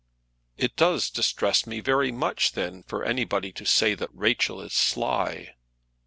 "It does distress me very much, then, for anybody to say that Rachel is sly."